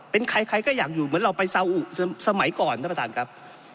เป็นใครใครก็อยากอยู่เหมือนเราไปซาอุสมัยก่อนท่านประธานครับ